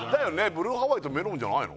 ブルーハワイとメロンじゃないの？